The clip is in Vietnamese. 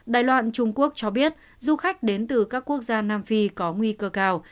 đài loan trung quốc cho biết du khách đến từ các quốc gia nam phi có nguy cơ cao